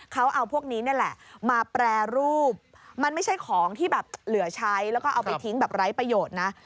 เขาเอาพวกนี้นี่แหละมาแปรรูปมันไม่ใช่ของที่แบบเหลือใช้แล้วก็เอาไปทิ้งแบบไร้ประโยชน์นะ